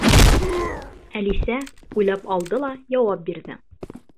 Әлисә уйлап алды ла яуап бирҙе: